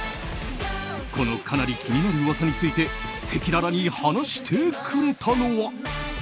このかなり気になる噂について赤裸々に話してくれたのは。